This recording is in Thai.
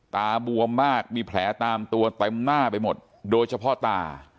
บวมมากมีแผลตามตัวเต็มหน้าไปหมดโดยเฉพาะตา